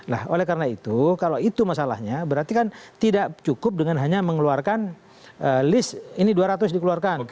nah oleh karena itu kalau itu masalahnya berarti kan tidak cukup dengan hanya mengeluarkan list ini dua ratus dikeluarkan